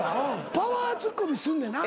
パワーツッコミすんねな？